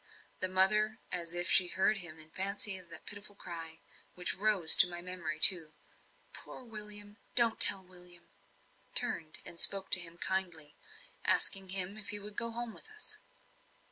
The mother, as if she heard in fancy that pitiful cry, which rose to my memory too "Poor William! don't tell William!" turned and spoke to him kindly, asking him if he would go home with us.